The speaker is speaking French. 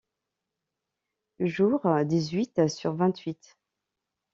Jour dix-huit sur vingt-huit.